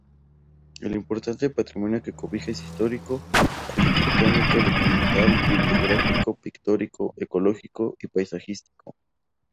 El importante patrimonio que cobija es histórico, arquitectónico, documental, bibliográfico, pictórico, ecológico y paisajístico.